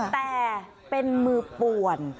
แต่เป็นมือป่วน